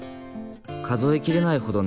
数え切れないほど